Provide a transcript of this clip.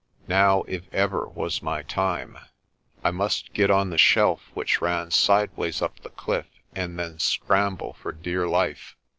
Now, if ever, was my time. I must get on the shelf which ran sideways up the cliff and then scramble for dear life.